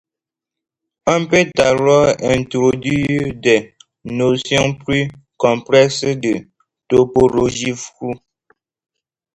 On peut alors introduire des notions plus complexes de topologie floue.